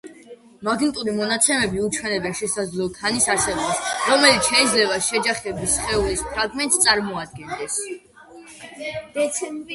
მაგნიტური მონაცემები უჩვენებენ შესაძლო ქანის არსებობას, რომელიც შეიძლება შეჯახების სხეულის ფრაგმენტს წარმოადგენდეს.